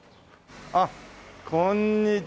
あっこんにちは。